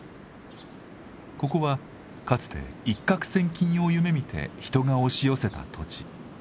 ここはかつて一獲千金を夢みて人が押し寄せた土地。